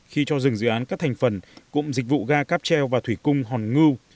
khi cho rừng dự án các thành phần cũng dịch vụ ga cap treo và thủy cung hòn ngưu